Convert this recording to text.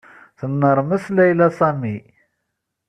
Tennermes Layla Sami.